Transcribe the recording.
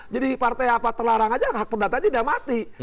jadi partai apa terlarang aja hak perdata dia sudah mati